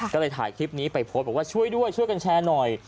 ก็เลยถ่ายคลิปนี้ไปโพสต์บอกว่าช่วยด้วยช่วยกันแชร์หน่อย